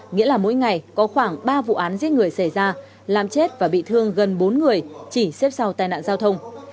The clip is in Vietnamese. nghĩa là mỗi ngày có khoảng ba vụ án giết người xảy ra làm chết và bị thương gần bốn người chỉ xếp sau tai nạn giao thông